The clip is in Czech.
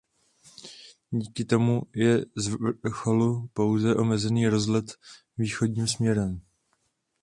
Díky tomu je z vrcholu pouze omezený rozhled východním směrem.